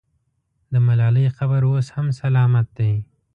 د ملالۍ قبر اوس هم سلامت دی.